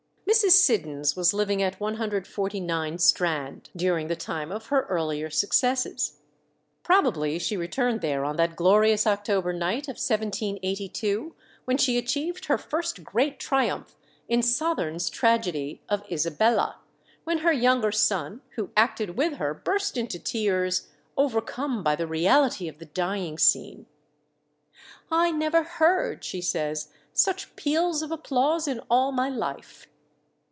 Mrs. Siddons was living at 149 Strand, during the time of her earlier successes. Probably she returned there on that glorious October night of 1782, when she achieved her first great triumph in Southerne's tragedy of Isabella, when her younger son, who acted with her, burst into tears, overcome by the reality of the dying scene. "I never heard," she says, "such peals of applause in all my life."